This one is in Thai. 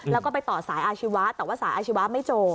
แล้วก็ไปต่อสายอาชีวะแต่ว่าสายอาชีวะไม่เจอ